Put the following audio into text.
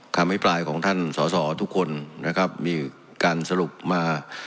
อภิปรายของท่านสอสอทุกคนนะครับมีการสรุปมา